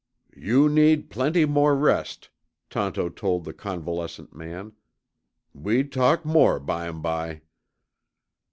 "You need plenty more rest," Tonto told the convalescent man. "We talk more bimeby."